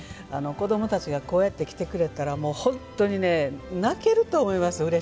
子どもたちがこうやって来てくれたら本当に泣けると思います。